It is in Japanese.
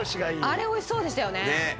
あれ美味しそうでしたよね。